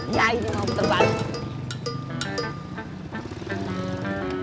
ya ini mau puter balik